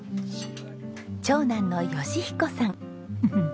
長男の善彦さん。